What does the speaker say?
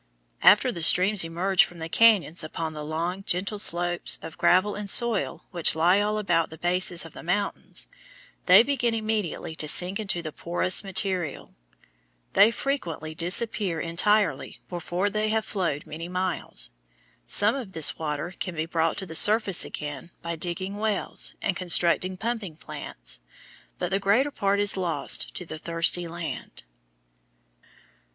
After the streams emerge from the cañons upon the long, gentle slopes of gravel and soil which lie all about the bases of the mountains, they begin immediately to sink into the porous material. They frequently disappear entirely before they have flowed many miles. Some of this water can be brought to the surface again by digging wells and constructing pumping plants, but the greater part is lost to the thirsty land.